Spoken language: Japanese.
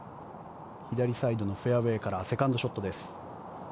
左サイドのフェアウェーからセカンドショットです。